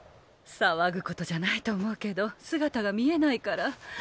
騒ぐことじゃないと思うけど姿が見えないから。